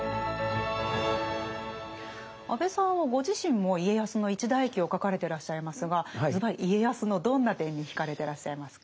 安部さんはご自身も家康の一代記を書かれてらっしゃいますがズバリ家康のどんな点に惹かれてらっしゃいますか？